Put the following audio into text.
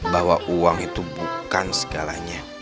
bahwa uang itu bukan segalanya